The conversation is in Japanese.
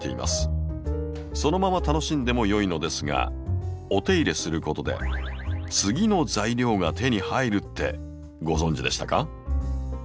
そのまま楽しんでもよいのですがお手入れすることで「次の材料」が手に入るってご存じでしたか？